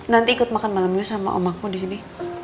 nanti ikut makan malamnya sama om aku di sini